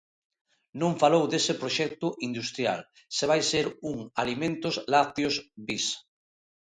Non falou dese proxecto industrial, se vai ser un Alimentos Lácteos bis.